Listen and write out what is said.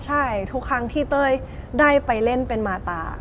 ใช่ทุกครั้งที่เต้ยได้ไปเล่นเป็นมาตา